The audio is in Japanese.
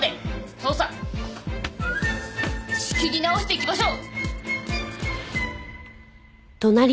捜査仕切り直していきましょう！